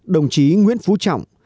đồng chí nguyễn phú trọng